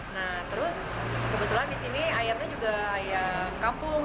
nah terus kebetulan disini ayamnya juga ayam kampung